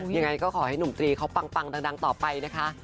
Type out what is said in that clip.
ยังไงก็ขอให้หนุ่มตรีเขาปังดังต่อไปนะคะ